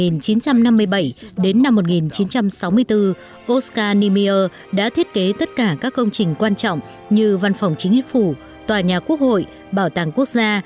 năm một nghìn chín trăm năm mươi bảy đến năm một nghìn chín trăm sáu mươi bốn oscar nimir đã thiết kế tất cả các công trình quan trọng như văn phòng chính phủ tòa nhà quốc hội bảo tàng quốc gia